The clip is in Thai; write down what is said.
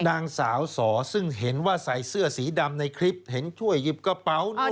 นางสาวสอซึ่งเห็นว่าใส่เสื้อสีดำในคลิปเห็นช่วยหยิบกระเป๋า